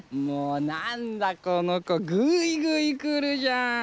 もう何だこの子ぐいぐい来るじゃん。